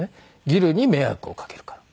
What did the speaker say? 「ギルに迷惑をかけるから」。